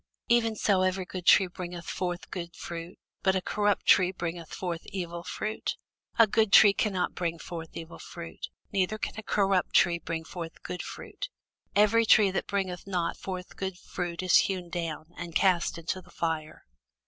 Even so every good tree bringeth forth good fruit; but a corrupt tree bringeth forth evil fruit. A good tree cannot bring forth evil fruit, neither can a corrupt tree bring forth good fruit. Every tree that bringeth not forth good fruit is hewn down, and cast into the fire.